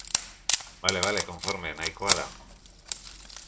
Bale, bale, konforme, nahikoa da.